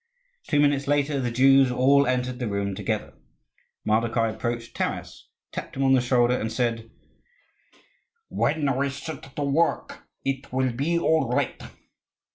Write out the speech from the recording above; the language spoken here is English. Two minutes later the Jews all entered the room together. Mardokhai approached Taras, tapped him on the shoulder, and said, "When we set to work it will be all right."